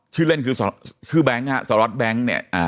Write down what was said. ชื่อเล่นคือชื่อแบงค์ฮะสารวัตรแบงค์เนี่ย